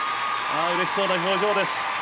うれしそうな表情です。